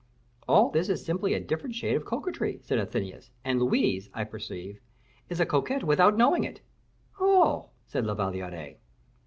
"All this is simply a different shade of coquetry," said Athenais; "and Louise, I perceive, is a coquette without knowing it." "Oh!" said La Valliere.